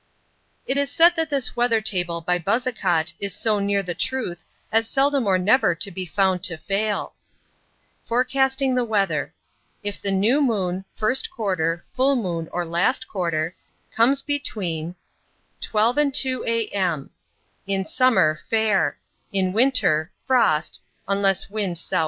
It is said that this weather table by Buzzacott is so near the truth as seldom or never to be found to fail. FORECASTING THE WEATHER If the New Moon, First Quarter, Full Moon, or Last Quarter, comes between In Summer In Winter 12 and 2 AM Fair Frost, unless wind S.W.